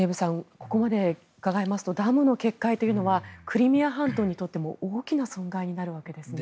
ここまで伺いますとダム決壊というのはクリミア半島にとっても大きな損害になるわけですね。